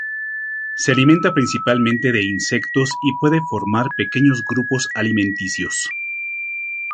Se alimenta principalmente de insectos y puede formar pequeños grupos alimenticios.